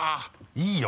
いいよ